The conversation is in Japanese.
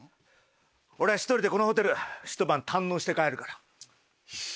俺は１人でこのホテルひと晩堪能して帰るから。